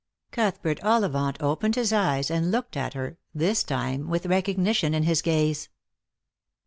Cuthbert Ollivant opened his eyes and looked at her, this time with recognition in his gaze.